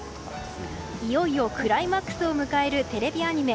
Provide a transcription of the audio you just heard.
いよいよクライマックスを迎えるテレビアニメ